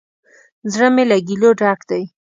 زړه می له ګیلو ډک دی